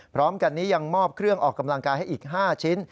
พร้อมกันนี้ยังมอบเครื่องออกกำลังกายให้อีก๕ชิ้น